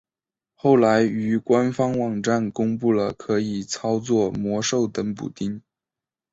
后来于官方网站公布了可以操作魔兽等补丁。